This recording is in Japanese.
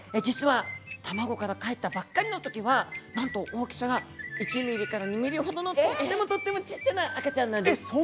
実は卵からかえったばっかりのときはなんと大きさが１２ｍｍほどのとってもとってもちっちゃな赤ちゃんなんです。